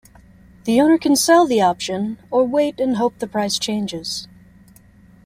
The owner can sell the option, or wait and hope the price changes.